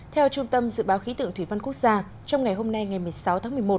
theo trung tâm dự báo khí tượng thủy văn quốc gia trong ngày hôm nay ngày một mươi sáu tháng một mươi một